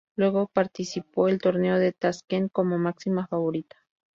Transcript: Luego participó del Torneo de Taskent como máxima favorita.